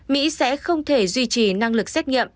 mỹ sẽ không thể duy trì năng lực xét nghiệm